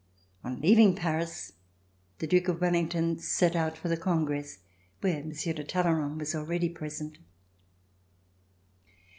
On leaving Paris, the Duke of Wellington set out for the Congress where Monsieur de La Tour du Pin was already present.